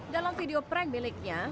dalam video prank miliknya